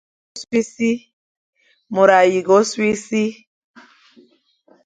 Môr a yinga ôsṽi e si.